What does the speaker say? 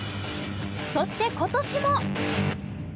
そして、今年も。